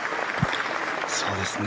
そうですね。